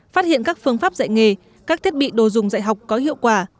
phát hiện các phương pháp dạy nghề các thiết bị đồ dùng dạy học có hiệu quả